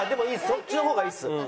そっちの方がいいです。